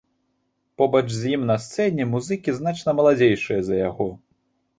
Побач з ім на сцэне музыкі, значна маладзейшыя за яго.